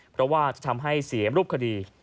เพราะว่าจะทำให้เสียรูปคดี